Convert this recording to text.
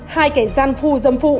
hai kẻ gian phu dâm phụ